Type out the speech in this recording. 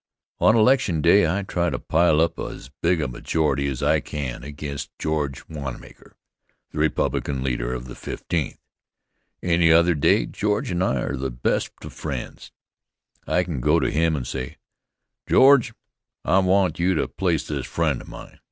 On election day I try to pile up as big a majority as I can against George Wanmaker, the Republican leader of the Fifteenth. Any other day George and I are the best of friends. I can go to him and say: "George, I want you to place this friend of mine."